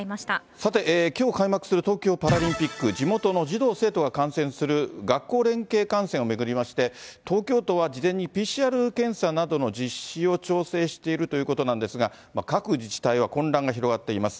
さて、きょう開幕する東京パラリンピック、地元の児童・生徒が観戦する学校連携観戦を巡りまして、東京都は事前にＰＣＲ検査などの実施を調整しているということなんですが、各自治体は混乱が広がっています。